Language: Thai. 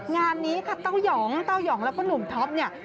งานนี้ค่ะเต้ายองเต้ายองแล้วก็หนุ่มท็อปเนี่ย